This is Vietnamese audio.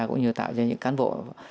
cũng như tạo cho những cán bộ